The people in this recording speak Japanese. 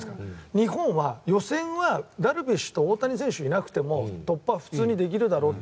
日本は予選はダルビッシュと大谷選手がいなくても突破は普通にできるだろうって。